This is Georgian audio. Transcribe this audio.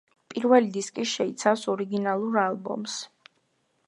პირველი დისკი შეიცავს ორიგინალურ ალბომს.